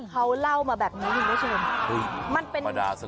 เขาเล่ามาแบบนี้ด้วยใช่ไหม